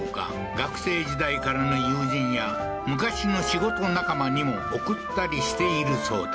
学生時代からの友人や昔の仕事仲間にも送ったりしているそうだ